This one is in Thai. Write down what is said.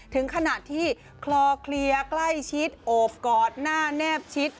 ถึงขนาดที่คลอเคลียร์ใกล้ชิดโอบกอดหน้าแนบชิด